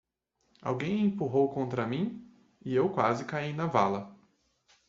Alguém empurrou contra mim? e eu quase caí na vala.